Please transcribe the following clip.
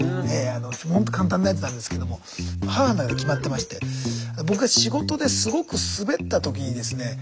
ほんと簡単なやつなんですけども母の中で決まってまして僕が仕事ですごくスベった時にですね